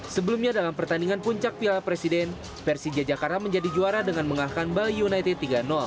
sebelumnya dalam pertandingan puncak piala presiden persija jakarta menjadi juara dengan mengalahkan bali united tiga